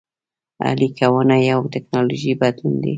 اهلي کونه یو ټکنالوژیکي بدلون دی